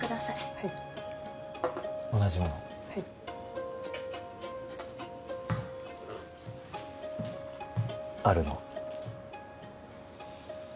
はい同じものをはいあるの？